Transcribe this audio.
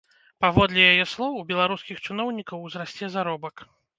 Паводле яе слоў, у беларускіх чыноўнікаў узрасце заробак.